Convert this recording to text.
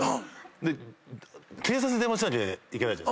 で警察に電話しなきゃいけないじゃないですか。